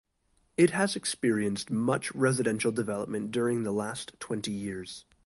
It has experienced much residential development during the last twenty years.